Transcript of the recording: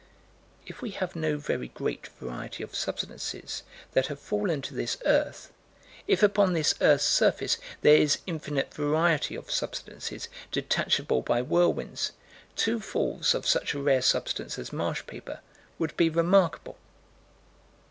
If we have no very great variety of substances that have fallen to this earth; if, upon this earth's surface there is infinite variety of substances detachable by whirlwinds, two falls of such a rare substance as marsh paper would be remarkable.